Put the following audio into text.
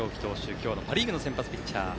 今日のパ・リーグの先発ピッチャー